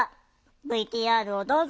ＶＴＲをどうぞ。